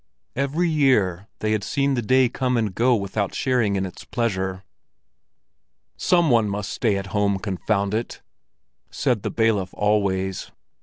Every year they had seen the day come and go without sharing in its pleasure. "Some one must stay at home, confound it!" said the bailiff always.